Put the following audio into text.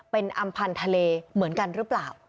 เป็นอำพันธ์ทะเลเหมือนกันหรือเปล่า